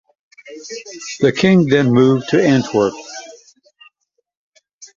The King then moved to Antwerp.